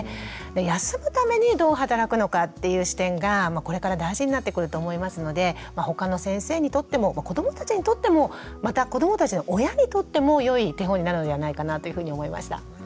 休むためにどう働くのかっていう視点がこれから大事になってくると思いますので他の先生にとっても子どもたちにとってもまた子どもたちの親にとっても良い手本になるのではないかなというふうに思いました。